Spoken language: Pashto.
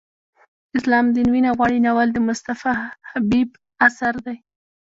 د اسلام دین وینه غواړي ناول د مصطفی خبیب اثر دی.